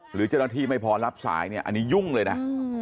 หรือเจ้าหน้าที่ไม่พอรับสายเนี่ยอันนี้ยุ่งเลยนะ